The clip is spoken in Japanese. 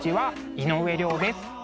井上涼です。